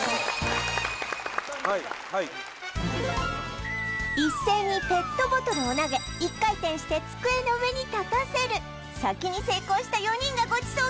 はいはい一斉にペットボトルを投げ一回転して机の上に立たせる先に成功した４人がごちそう